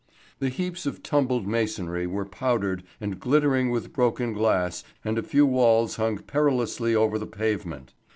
The heaps of tumbled masonry were powdered and glittering with broken glass and a few walls hung perilously over the pavement.